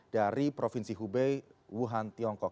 dari provinsi hubei wuhan tiongkok